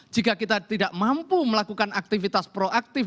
jika kita tidak mampu melakukan aktivitas proaktif